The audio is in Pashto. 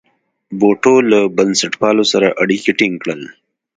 بوټو له بنسټپالو سره اړیکي ټینګ کړل.